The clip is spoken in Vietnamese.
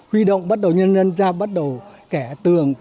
huy động bắt đầu nhân dân ra bắt đầu kẻ tường